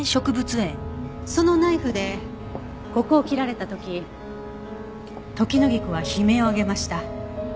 そのナイフでここを切られた時トキノギクは悲鳴を上げました。